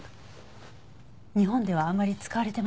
日本ではあまり使われてませんよね。